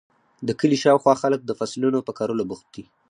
د کلي شااوخوا خلک د فصلونو په کرلو بوخت دي.